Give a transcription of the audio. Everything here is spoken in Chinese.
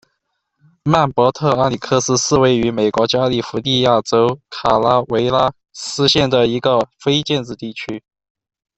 曼伯特阿里克斯是位于美国加利福尼亚州卡拉韦拉斯县的一个非建制地区。